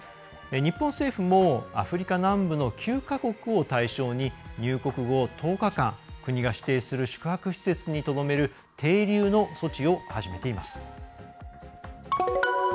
日本政府もアフリカ南部の９か国を対象に、入国後１０日間国が指定する宿泊施設にとどめる停留の措置を始めています。